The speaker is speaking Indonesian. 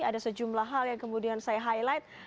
ada sejumlah hal yang kemudian saya highlight